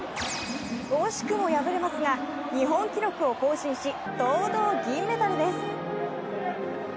惜しくも敗れますが、日本記録を更新し堂々銀メダルです。